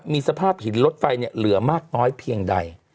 มีสภาพหินรถไฟเหลือมากน้อยเพียงใด